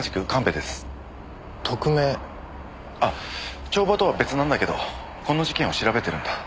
あっ帳場とは別なんだけどこの事件を調べてるんだ。